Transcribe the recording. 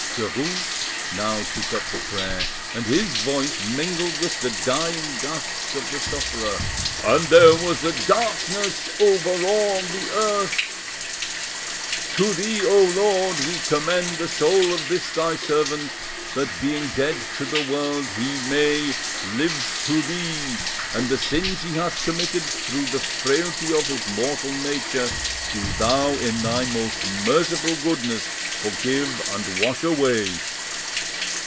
Derues now took up the prayer, and his voice mingled with the dying gasps of the sufferer. "And there was a darkness over all the earth—— "To Thee, O Lord, we commend the soul of this Thy servant, that, being dead to the world, he may, live to Thee: and the sins he hath committed through the frailty of his mortal nature, do Thou in Thy most merciful goodness, forgive and wash away.